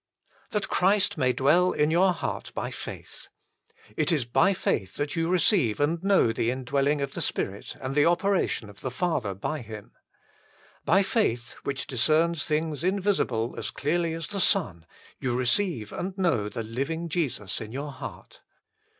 That Christ may dwell in your heart by faith. It is by faith that you receive and know the indwelling of the Spirit and the operation of the Father by Him. By faith, which discerns things invisible as clearly as the sun, you receive and know the living Jesus in your heart.